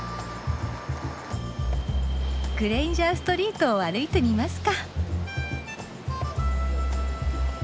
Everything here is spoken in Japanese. グレインジャーストリートを歩いてみますか。